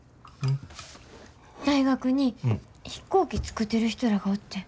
大学に飛行機作ってる人らがおってん。